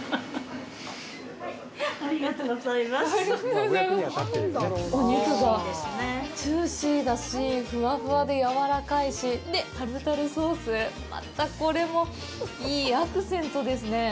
うわっお肉がジューシーだしふわふわでやわらかいし、で、タルタルソース、またこれもいいアクセントですね。